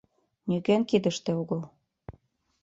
— Нигӧн кидыште огыл.